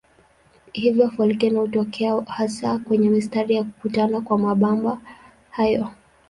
Hivyo volkeno hutokea hasa kwenye mistari ya kukutana kwa mabamba hayo.